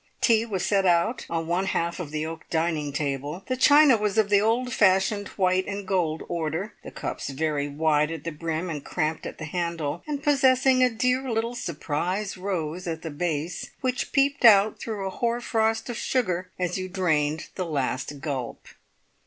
Tea was set out on one half of the oak dining table. The china was of the old fashioned white and gold order, the cups very wide at the brim and cramped at the handle, and possessing a dear little surprise rose at the base, which peeped out through a hoar frost of sugar as you drained the last gulp.